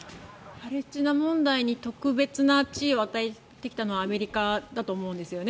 パレスチナ問題に特別な地位を与えてきたのはアメリカだと思うんですよね。